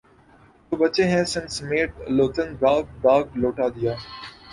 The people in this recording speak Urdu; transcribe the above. جو بچے ہیں سنگ سمیٹ لو تن داغ داغ لٹا دیا